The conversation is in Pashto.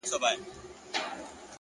مهرباني د زړونو واټن راکموي!